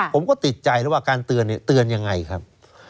ผมก็ติดใจแล้วว่าการเตือนเนี่ยเตือนเตือนยังไงครับ